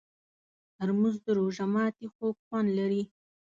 ترموز د روژه ماتي خوږ خوند لري.